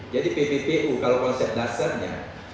jadi pppu kalau konsep dasarnya